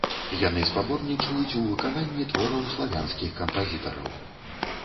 Яны спаборнічаюць у выкананні твораў славянскіх кампазітараў.